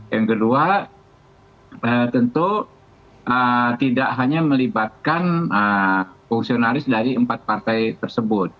yang kedua tentu tidak hanya melibatkan fungsionaris dari empat partai tersebut